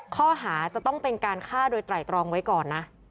ข้อหาจะต้องเป็นการฆ่าโดยไตรตรองไว้ก่อนนะ